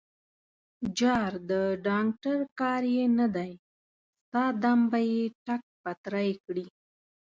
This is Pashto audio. _جار، د ډانګټر کار يې نه دی، ستا دم به يې ټک پتری کړي.